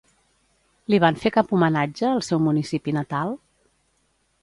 Li van fer cap homenatge al seu municipi natal?